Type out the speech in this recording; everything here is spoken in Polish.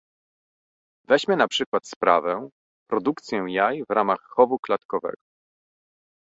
Weźmy na przykład sprawę produkcję jaj w ramach chowu klatkowego